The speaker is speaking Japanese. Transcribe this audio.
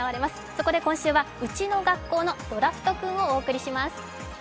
そこで今週は「ウチの学校のドラフトくん」をお届けします。